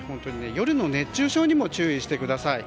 夜の熱中症にも注意してください。